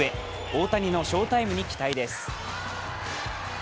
大谷の翔タイムに期待です。